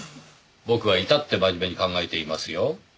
僕は至って真面目に考えていますよ。